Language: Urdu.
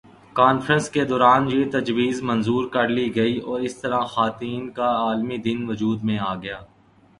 کانفرنس کے دوران یہ تجویز منظور کر لی گئی اور اس طرح خواتین کا عالمی دن وجود میں آگیا